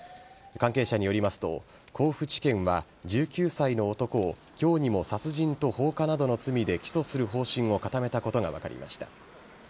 関係者によりますと甲府地検は１９歳の男を今日にも殺人と放火などの罪で起訴する方針を固めたことが分かりました。